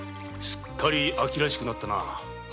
すっかり秋らしくなったな。